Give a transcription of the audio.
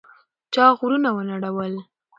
چا غرونه ونړول؟